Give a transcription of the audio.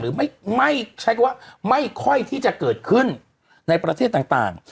หรือไม่ใช้ก็ว่าไม่ค่อยที่จะเกิดขึ้นในประเทศต่าง